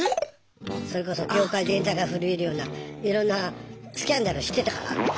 それこそ業界全体が震えるようないろんなスキャンダルを知ってたから。